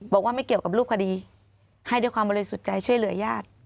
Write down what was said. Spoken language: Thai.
บอกว่าไม่เกี่ยวกับรูปคดีให้ด้วยความบริสุทธิ์ใจช่วยเหลือญาติ